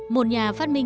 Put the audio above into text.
một nhà phát minh